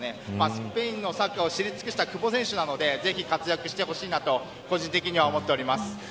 スペインのサッカーを知り尽くした久保選手なのでぜひ活躍してほしいなと思います。